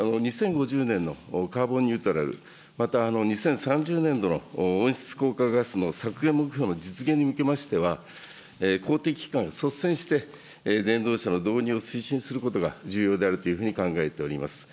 ２０５０年のカーボンニュートラル、また２０３０年度の温室効果ガスの削減目標の実現に向けましては、公的機関を率先して電動車の導入を推進することが重要であるというふうに考えております。